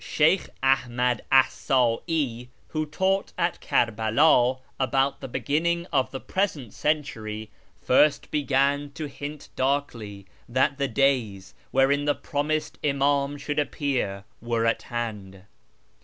Sheykh Ahmad Ahsd'i, who taught at Kerbela about the beginning of the present century, first began to hint darkly that the days wherein the promised Imam should appear were at hand.